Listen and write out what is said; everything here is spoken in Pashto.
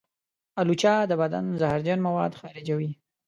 الوچه د بدن زهرجن مواد خارجوي.